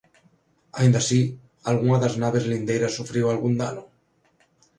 Aínda así, algunha das naves lindeiras sufriu algún dano.